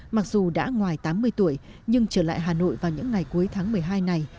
mặc dù đã ngoài tám mươi tuổi nhưng trở lại hà nội vào những ngày cuối tháng một mươi hai này